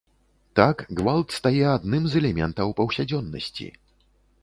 Так гвалт стае адным з элементаў паўсядзённасці.